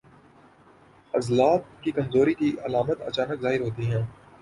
عضلات کی کمزوری کی علامات اچانک ظاہر ہوتی ہیں